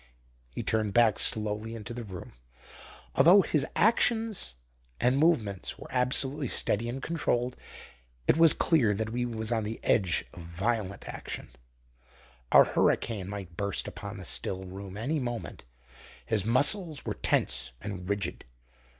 He turned back slowly into the room. Although his actions and movements were absolutely steady and controlled, it was clear that he was on the edge of violent action. A hurricane might burst upon the still room any moment. His muscles were tense and rigid.